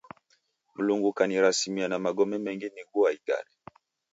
Mlungu kanirasimia na magome mengi nigua igare.